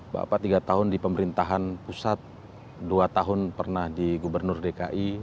bapak tiga tahun di pemerintahan pusat dua tahun pernah di gubernur dki